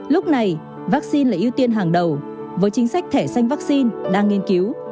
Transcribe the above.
lúc này vaccine là ưu tiên hàng đầu với chính sách thẻ xanh vaccine đang nghiên cứu